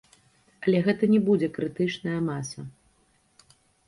Але гэта не будзе крытычная маса.